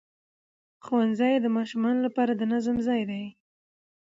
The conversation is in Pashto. ښوونځی د ماشومانو لپاره د نظم ځای دی